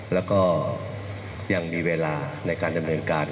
แล้วก็ยังมีเวลาในการดำเนินการ